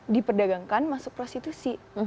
diperdagangkan masuk prostitusi